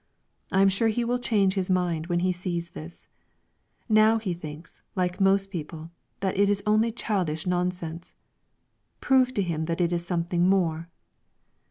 I am sure he will change his mind when he sees this; now he thinks, like most people, that it is only childish nonsense. Prove to him that it is something more."